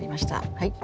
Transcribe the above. はい。